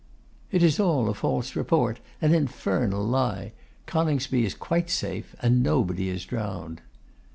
'It is all a false report, an infernal lie; Coningsby is quite safe, and nobody is drowned.